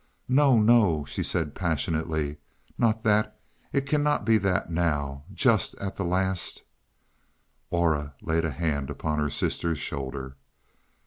"No, no," she said passionately. "Not that; it cannot be that now, just at the last " Aura laid a hand upon her sister's shoulder.